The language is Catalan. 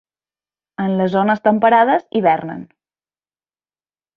En les zones temperades hivernen.